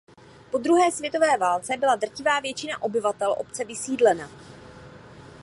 Po druhé světové válce byla drtivá většina obyvatel obce vysídlena.